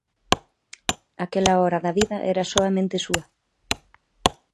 Aquela hora da vida era soamente súa.